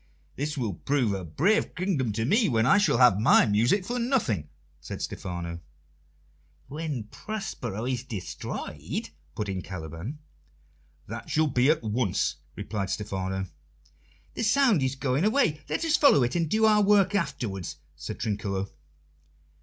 "This will prove a brave kingdom to me, where I shall have my music for nothing," said Stephano. "When Prospero is destroyed," put in Caliban. "That shall be at once," replied Stephano. "The sound is going away; let us follow it, and do our work afterwards," said Trinculo.